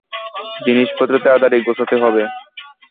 জিনিসপত্র তাড়াতাড়ি গোছাতে হবে।